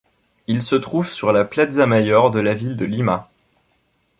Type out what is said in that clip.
Il se trouve sur la Plaza Mayor de la ville de Lima.